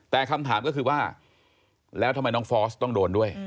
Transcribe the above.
แต่คำถามก็คือว่าแล้วทำไมน้องฟอสต้องโดนด้วย